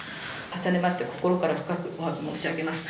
「重ねまして心から深くお詫び申し上げます」